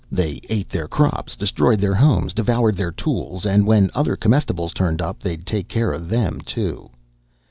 They ate their crops, destroyed their homes, devoured their tools, and when other comestibles turned up they'd take care of them, too.